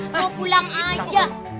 mau pulang aja